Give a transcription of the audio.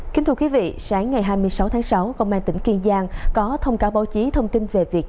kính thưa quý vị sáng ngày hai mươi sáu tháng sáu công an tỉnh kiên giang có thông cáo báo chí thông tin về việc